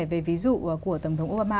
về ví dụ của tổng thống obama